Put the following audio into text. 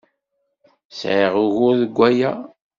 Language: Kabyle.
Sɛiɣ ugur deg waya.